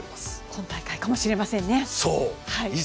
今大会かもしれませんね。